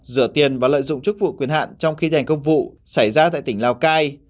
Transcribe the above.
rửa tiền và lợi dụng chức vụ quyền hạn trong khi thành công vụ xảy ra tại tỉnh lào cai